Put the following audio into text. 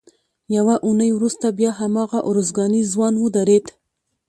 یوه اونۍ وروسته بیا هماغه ارزګانی ځوان ودرېد.